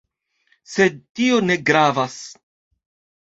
Sed tio ne gravas.